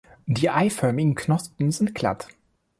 Die eiförmigen Knospen sind glatt.